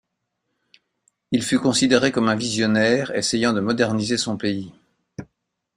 Il fut considéré comme un visionnaire essayant de moderniser son pays.